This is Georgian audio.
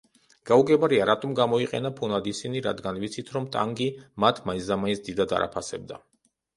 გაუგებარია რატომ გამოიყენა ფონად ისინი, რადგან ვიცით, რომ ტანგი მათ მაინცდამაინც დიდად არ აფასებდა.